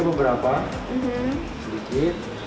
ambil beberapa sedikit